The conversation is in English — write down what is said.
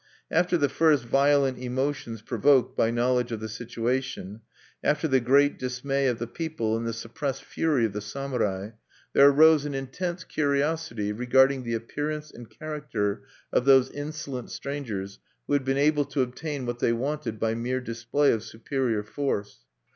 After the first violent emotions provoked by knowledge of the situation, after the great dismay of the people, and the suppressed fury of the samurai, there arose an intense curiosity regarding the appearance and character of those insolent strangers who had been able to obtain what they wanted by mere display of superior force.